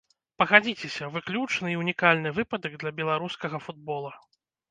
Пагадзіцеся, выключны і ўнікальны выпадак для беларускага футбола.